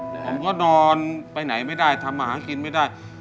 ผมก็นอนไปไหนไม่ได้ทำอาหารกินไม่ได้